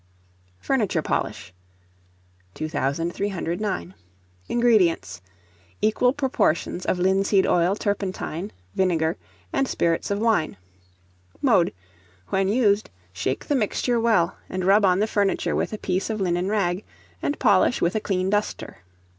FURNITURE POLISH. 2309. INGREDIENTS. Equal proportions of linseed oil, turpentine, vinegar, and spirits of wine. Mode. When used, shake the mixture well, and rub on the furniture with a piece of linen rag, and polish with a clean duster.